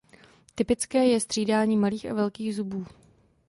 Typické je střídání malých a velkých zubů.